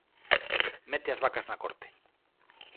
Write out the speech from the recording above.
Mete as vacas na corte.